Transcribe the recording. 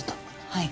はい。